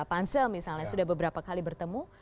pansel misalnya sudah beberapa kali bertemu